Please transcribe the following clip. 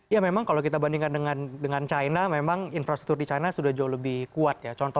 ya memang kalau kita bandingkan dengan china memang infrastruktur di china sudah jauh lebih kuat ya